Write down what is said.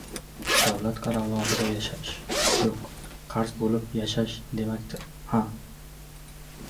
davlat qaramog‘ida yashash... yo‘q, qarz bo‘lib yashash demakdir, ha!